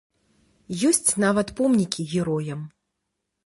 Ёсць нават помнікі героям.